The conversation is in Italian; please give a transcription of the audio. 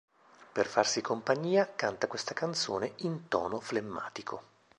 Per farsi compagnia, canta questa canzone "in tono flemmatico".